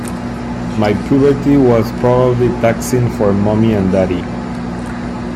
My puberty was probably taxing for mommy and daddy.